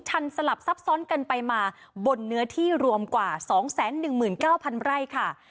ชันสลับซับซ้อนกันไปมาบนเนื้อที่รวมกว่า๒๑๙๐๐ไร่ค่ะ